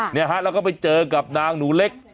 เนี่ยฮะแล้วก็ไปเจอกับนางหนูเล็ก